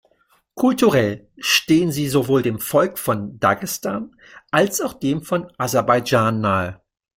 Kulturell stehen sie sowohl dem Volk von Dagestan als auch dem von Aserbaidschan nahe.